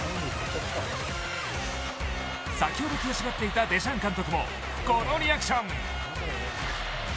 先ほど悔しがっていたデシャン監督もこのリアクション。